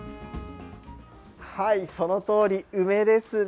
そのとおり、梅ですね。